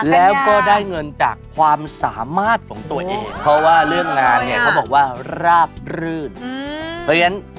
แล้วมันก็ดีอ๋อ